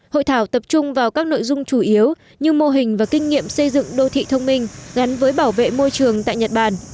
hội thảo tập trung vào các nội dung chủ yếu như mô hình và kinh nghiệm xây dựng đô thị thông minh gắn với bảo vệ môi trường tại nhật bản